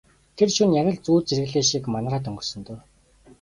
Тэр шөнө яг л зүүд зэрэглээ шиг манараад өнгөрсөн дөө.